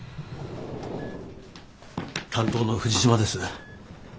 担当の藤島です。